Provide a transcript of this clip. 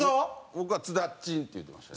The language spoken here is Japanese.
僕は津田っちんって言うてました。